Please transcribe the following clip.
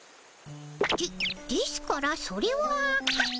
でですからそれはあっ！